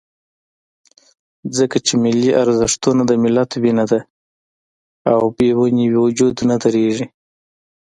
ځکه چې ملي ارزښتونه د ملت وینه ده، او بې وینې وجود نه درېږي.